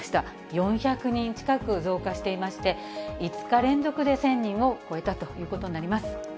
４００人近く増加していまして、５日連続で１０００人を超えたということになります。